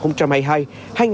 phân bộ cho hai mươi học sinh